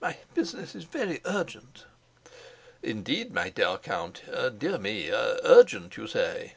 My business is very urgent." "Indeed, my dear count, indeed! Dear me! Urgent, you say?"